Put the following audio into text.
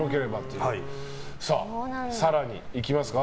更にいきますか。